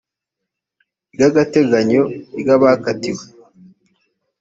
ry agateganyo ry abakatiwe